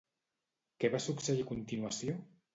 Què va succeir a continuació?